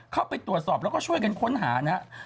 เข้าไปตรวจสอบแล้วก็ช่วยกันค้นหานะครับ